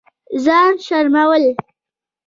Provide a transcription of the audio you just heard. ځان شرمول